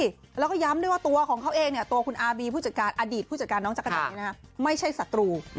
แล้วก็ย้ำด้วยว่าตัวของเขาเองเนี่ยตัวคุณอาร์บีผู้จัดการอดีตผู้จัดการน้องจักรดำไม่ใช่ศัตรู